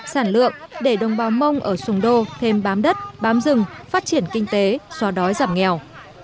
sản lượng để đồng bào mông ở sùng đô thêm bám đất bám rừng phát triển kinh tế xóa đói giảm nghèo